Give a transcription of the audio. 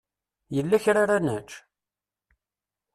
Yella kra ara nečč?